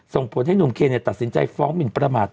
ส่งผลให้หนุ่มเคนตัดสินใจฟ้องหมินประมาท